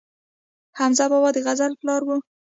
حمزه بابا د غزل پلار و